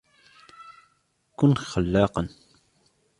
كُن خلاقاً.